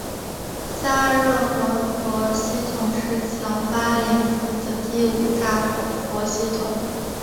嘉热活佛系统是强巴林寺的第五大活佛系统。